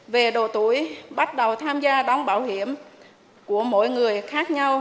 về độ tuổi bắt đầu tham gia đóng bảo hiểm của mỗi người khác nhau